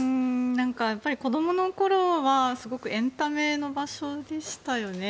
子どもの頃はすごくエンタメの場所でしたよね